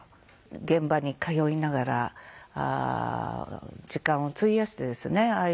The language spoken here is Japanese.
現場に通いながら時間を費やしてですねああ